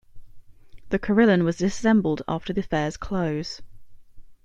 The carillon was disassembled after the fair's close.